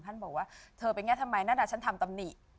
ท่านบอกว่าเธอไปกี้้ะทำไมนั่นน่ะก่อนฉันทำทำหนี